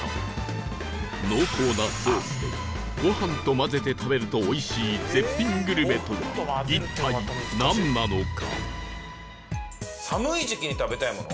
濃厚なソースでご飯と混ぜて食べるとおいしい絶品グルメとは一体なんなのか？